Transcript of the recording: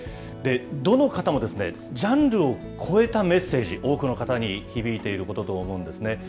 どの方もジャンルを超えたメッセージ、多くの方に響いていることと思うんですね。